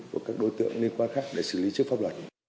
và các đối tượng liên quan khác để xử lý trước pháp luật